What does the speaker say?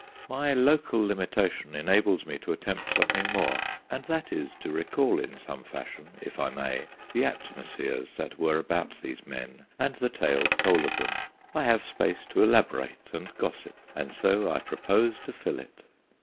My local limitation enables me to attempt something more, and that is to recall in some fashion, if I may, the atmospheres that were about these men, and the tales told of them. I have space to elaborate and gossip, and so I propose to fill it.